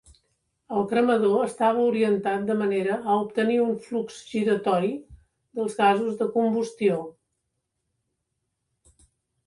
El cremador estava orientat de manera a obtenir un flux giratori dels gasos de combustió.